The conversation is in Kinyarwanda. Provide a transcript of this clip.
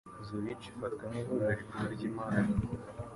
Zürich ifatwa nk'ihuriro rikuru ry'imari.